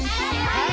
はい！